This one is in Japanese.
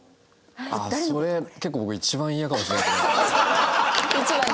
ああそれ結構僕一番イヤかもしれないですね。